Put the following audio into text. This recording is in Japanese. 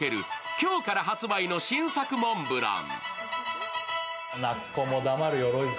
今日から発売の新作モンブラン。